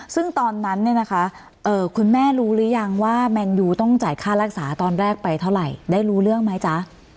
ซึ่งตอนนั้นเนี่ยนะคะคุณแม่รู้หรือยังว่าแมนยูต้องจ่ายค่ารักษาตอนแรกไปเท่าไหร่ได้รู้เรื่องไหมจ๊ะ